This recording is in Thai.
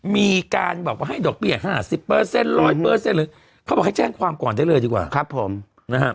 มีการบอกว่าให้ดอกเบี้ยห้าสิบเปอร์เซ็นต์ร้อยเปอร์เซ็นต์หรือเขาบอกให้แจ้งความก่อนได้เลยดีกว่าครับผมนะฮะ